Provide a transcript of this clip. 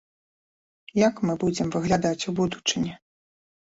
Як мы будзем выглядаць у будучыні?